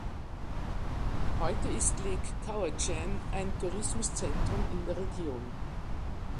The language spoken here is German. Heute ist Lake Cowichan ein Tourismuszentrum in der Region.